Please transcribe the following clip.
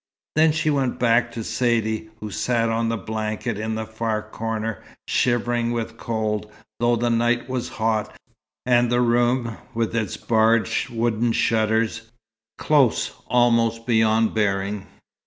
Then she went back to Saidee, who sat on the blankets in a far corner, shivering with cold, though the night was hot, and the room, with its barred wooden shutters, close almost beyond bearing.